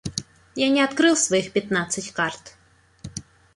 Я не открыл своих пятнадцать карт.